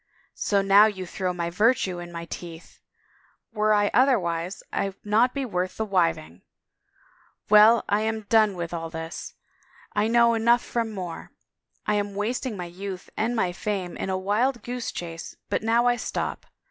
" So now you throw my virtue in my teeth !... Were I otherwise Fd not be worth the wiving! ... Well, I am done with all this. I know enough from more. I am wasting my youth and my fame in a wild goose chase but now I stop.